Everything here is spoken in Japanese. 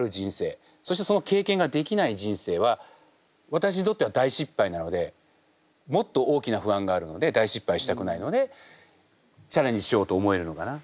そしてその経験ができない人生は私にとっては大失敗なのでもっと大きな不安があるので大失敗したくないのでチャレンジしようと思えるのかな。